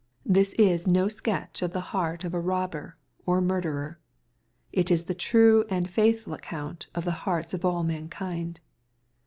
This is no sketch of the heart of a robber, or murderer. It is the true and faithftil account of the hearts of all mankind.